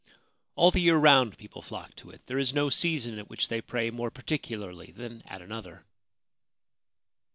All the year round people flock to it. There is no season at which they pray more particularly than at another.